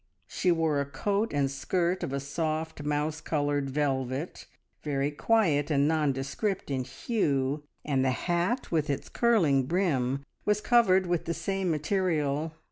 She wore a coat and skirt of a soft, mouse coloured velvet, very quiet and nondescript in hue, and the hat, with its curling brim, was covered with the same material.